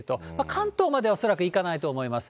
関東までは恐らく行かないと思います。